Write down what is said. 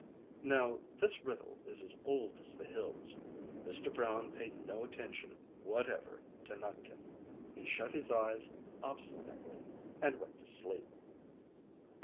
Now this riddle is as old as the hills; Mr. Brown paid no attention whatever to Nutkin. He shut his eyes obstinately and went to sleep.